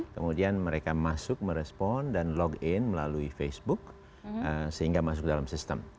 kemudian mereka masuk merespon dan login melalui facebook sehingga masuk dalam sistem